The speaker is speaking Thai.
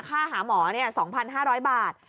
ค่าหาหมอเนี่ย๒๕๐๐บาท